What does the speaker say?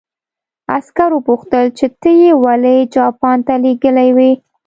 عسکر وپوښتل چې ته یې ولې جاپان ته لېږلی وې